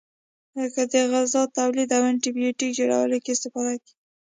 لکه د غذا تولید او انټي بیوټیک جوړولو کې استفاده کیږي.